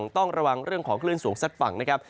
ต้องระวังเรื่องของคลื่นสูงซัดฝั่งนะครับ